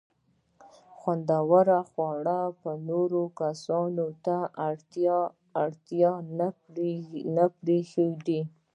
خوندورو خوړو به نورو کیسو ته اړتیا نه پرېښوده.